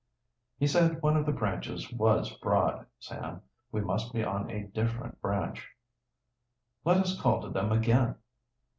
"He said one of the branches was broad, Sam. We must be on a different branch." "Let us call to them again."